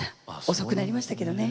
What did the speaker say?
遅くなりましたけどね。